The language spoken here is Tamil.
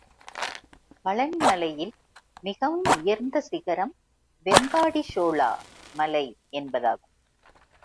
பழனி மலையில் மிகவும் உயர்ந்த சிகரம் வெம்பாடி ஷோலா மலை என்பதாகும்.